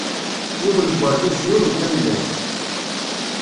yiwen n urgaz yuru tamellalt!